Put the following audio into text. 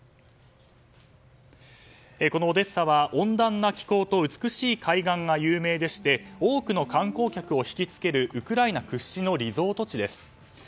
このオデッサは温暖な気候と美しい海岸が有名でして多くの観光客をひきつけるウクライナ屈指のリゾート地です。